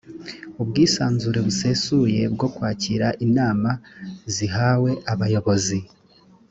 ubwisanzure busesuye bwo kwakira inama zihawe abayobozi